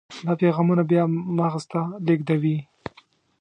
دا پیغامونه بیا مغز ته لیږدوي.